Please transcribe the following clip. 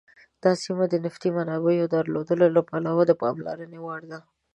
دا سیمه د نفتي منابعو درلودلو له پلوه د پاملرنې وړ ده.